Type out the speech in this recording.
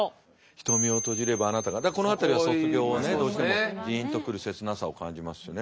「瞳を閉じればあなたが」だからこの辺りは卒業のねどうしてもジンと来る切なさを感じますしね。